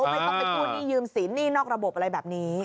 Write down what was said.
ไม่ควรไปกูลนี้ยืมศรีนนี่นอกระบบอะไรแบบนี้